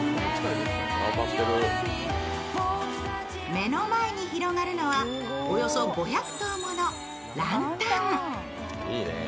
目の前に広がるのはおよそ５００灯ものランタン。